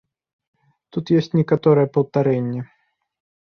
Тут ёсць некаторае паўтарэнне.